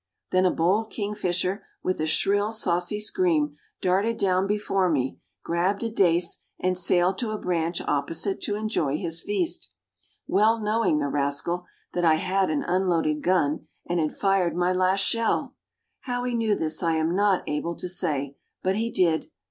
Then a bold kingfisher, with a shrill, saucy scream, darted down before me, grabbed a dace and sailed to a branch opposite to enjoy his feast, well knowing, the rascal! that I had an unloaded gun and had fired my last shell. How he knew this I am not able to say, but he did.